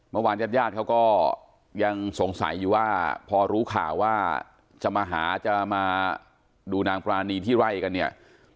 ญาติญาติเขาก็ยังสงสัยอยู่ว่าพอรู้ข่าวว่าจะมาหาจะมาดูนางปรานีที่ไล่กันเนี่ย